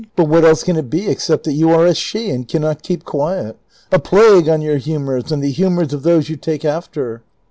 But what else can it be except that you are a she, and can not keep qiuet '' A plague on your humors and the humors of those you take after